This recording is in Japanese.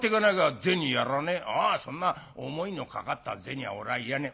ああそんな思いのかかった銭俺はいらねえ。